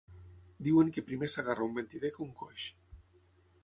Diuen que primer s’agarra un mentider que un coix.